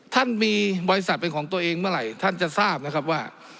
ท่านมีบริษัทเป็นของตัวเองเมื่อไหร่ท่านจะทราบนะครับว่า